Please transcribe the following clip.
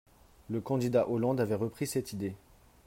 Le candidat Hollande avait repris cette idée.